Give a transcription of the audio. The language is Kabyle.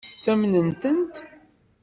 Ttamnent-tent?